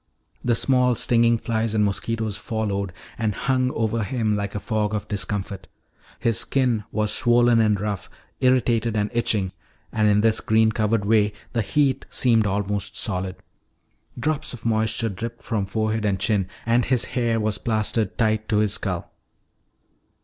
The small stinging flies and mosquitoes followed and hung over him like a fog of discomfort. His skin was swollen and rough, irritated and itching. And in this green covered way the heat seemed almost solid. Drops of moisture dripped from forehead and chin, and his hair was plastered tight to his skull.